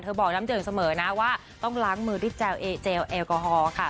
บอกน้ำเจิ่งเสมอนะว่าต้องล้างมือด้วยเจลเอเจลแอลกอฮอล์ค่ะ